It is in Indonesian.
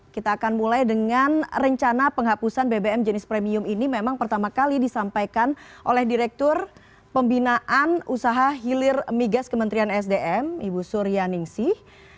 kita akan mulai dengan rencana penghapusan bbm jenis premium ini memang pertama kali disampaikan oleh direktur pembinaan usaha hilir migas kementerian sdm ibu surya ningsih